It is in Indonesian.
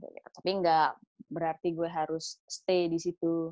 tapi nggak berarti gue harus stay di situ